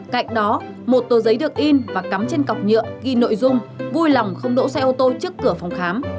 cạnh đó một tổ giấy được in và cắm trên cọc nhựa ghi nội dung vui lòng không đỗ xe ô tô trước cửa phòng khám